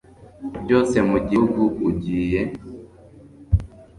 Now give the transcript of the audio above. byose mu gihugu ugiye